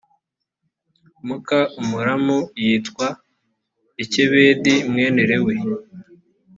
muka amuramu yitwa yokebedi mwene lewi.